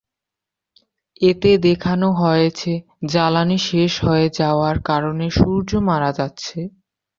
এতে দেখানো হয়েছে জ্বালানি শেষ হয়ে যাওয়ার কারণে সূর্য মারা যাচ্ছে।